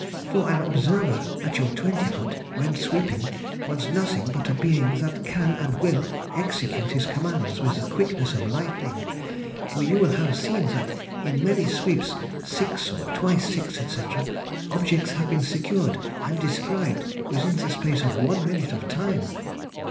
For an observer at your twenty foot when sweeping wants nothing but a being that can and will execute his commands with the quickness of lightning [!], for you will have seen that in many sweeps six or twice six, &c., objects have been secured and described within the space of one minute of time.